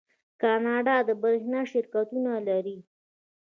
کاناډا د بریښنا شرکتونه لري.